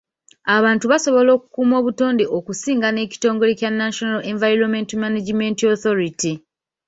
Abantu basobola okukuuma obutonde okusinga n'ekitongole kya National Environmental Management Authority.